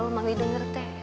manggil denger teh